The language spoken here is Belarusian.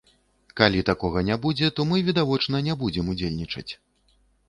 Калі такога не будзе, то мы відавочна не будзем удзельнічаць.